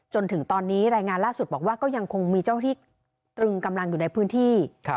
จนถึงตอนนี้รายงานล่าสุดบอกว่าก็ยังคงมีเจ้าที่ตรึงกำลังอยู่ในพื้นที่